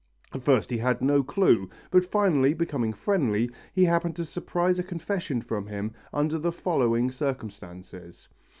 At first he had no clue, but finally, becoming friendly, he happened to surprise a confession from him under the following circumstances.